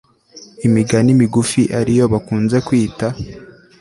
imigani migufi ari yo bakunze kwita